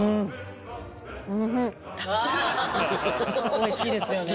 おいしいですよね。